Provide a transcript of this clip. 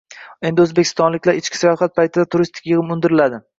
Endi o‘zbekistonliklardan ichki sayohat paytida turistik yig‘im undiriladi